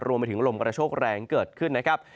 รวมไปถึงลมกระโชคแรงเกิดขึ้นนะครับ